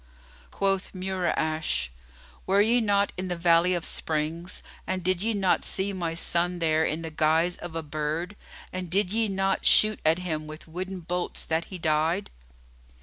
Quoth Mura'ash, "Were ye not in the Valley of Springs and did ye not see my son there, in the guise of a bird, and did ye not shoot at him with wooden bolts that he died?"